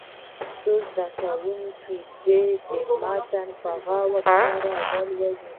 څو زده کوونکي دې متن په غور سره ولولي.